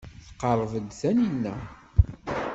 Tqerreb-d Taninna.